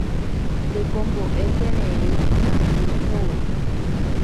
Tekomboʼe pererĩ ikangy ohóvo.